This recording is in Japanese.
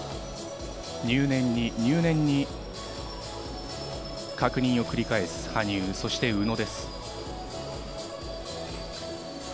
入念に入念に確認を繰り返す羽生、そして宇野です。